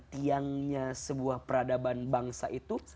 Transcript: tiangnya sebuah peradaban bangsa itu